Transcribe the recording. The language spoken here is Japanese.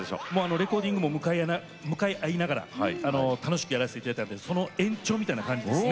レコーディングも向かい合いながら楽しくやらせて頂いたんでその延長みたいな感じですね。